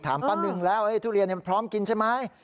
ป้าหนึ่งแล้วทุเรียนพร้อมกินใช่ไหม